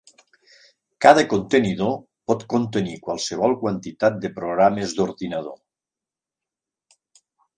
Cada contenidor pot contenir qualsevol quantitat de programes d'ordinador.